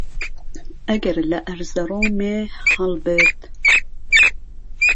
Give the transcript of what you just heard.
ئهگهر له ئەرزهڕۆمێ ههڵ برد